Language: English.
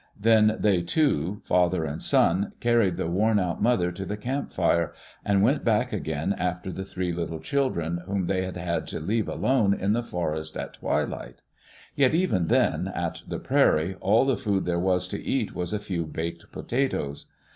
Then they two, father and son, carried the worn out mother to the camp fire, and went back again after the three little children whom they had had to leave alone in the forest at twilight. Yet even then, at the prairie, all the food there was to eat was a few baked potatoes.